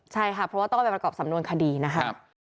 ใช่ค่ะเพราะว่าต้องเอาไปประกอบสำนวนคดีนะครับ